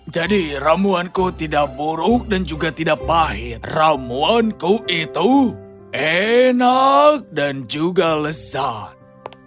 jadi ramuanku tidak buruk dan juga tidak pahit ramuanku itu enak dan juga lezat